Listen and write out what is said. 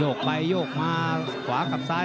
ส่วนคู่ต่อไปของกาวสีมือเจ้าระเข้ยวนะครับขอบคุณด้วย